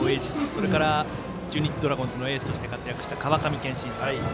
それから、中日ドラゴンズのエースとして活躍した川上憲伸さん。